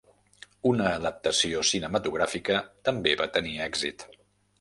Una adaptació cinematogràfica també va tenir èxit.